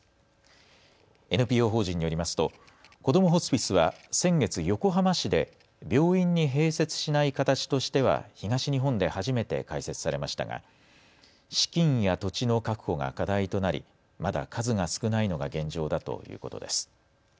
ＮＰＯ法人によりますとこどもホスピスは先月横浜市で病院に併設しない形としては東日本で初めて開設されましたが資金や土地の確保が課題となりまだ数が少ないのが現状だということです。